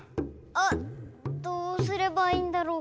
あどうすればいいんだろう？